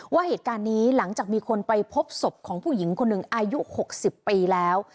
ว่าเหตุการณ์นี้หลังจากมีคนไปพบศพของผู้หญิงคนหนึ่งอายุ๖๐ปีแล้ว